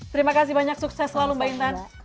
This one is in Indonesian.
terima kasih banyak sukses selalu mbak intan